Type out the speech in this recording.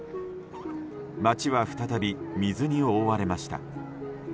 街は再び水に覆われました。